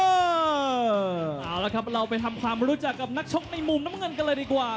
เอาละครับเราไปทำความรู้จักกับนักชกในมุมน้ำเงินกันเลยดีกว่า